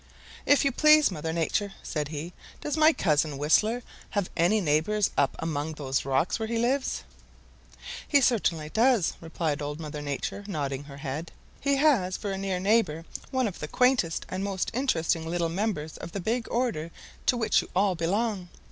"If you please, Mother Nature," said he, "does my cousin, Whistler, have any neighbors up among those rocks where he lives?" "He certainly does," replied Old Mother Nature, nodding her head. "He has for a near neighbor one of the quaintest and most interesting little members of the big order to which you all belong.